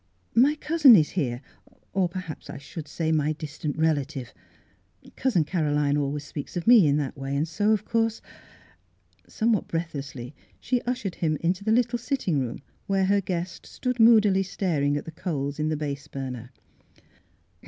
My cousin is here — or perhaps I should say, my distant relative. Cousin Caro line always speaks of me in that way, and so of course —" Somewhat breathlessly she ushered him into the little sitting room, where her guest stood moodily staring at the coals in the base burner.